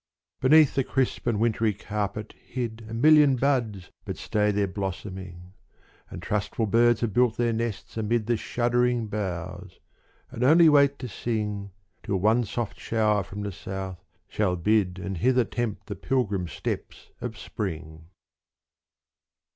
Beneath the crisp and wintry carpet hid A million buds but stay their blossoming And trustful birds have built their nests amid The shuddering boughs, and only wait to sing Till one soft shower from the south shall bid And hither tempt the pilgrim steps of spring.